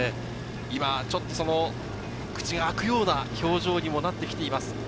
今、ちょっと、口が開くような表情にもなってきています。